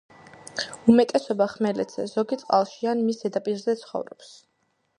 უმეტესობა ხმელეთზე, ზოგი წყალში ან მის ზედაპირზე ცხოვრობს.